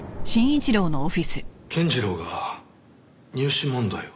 健次郎が入試問題を？